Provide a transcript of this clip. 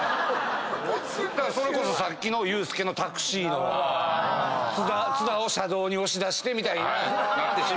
それこそさっきのユースケのタクシーの津田を車道に押し出してみたいな。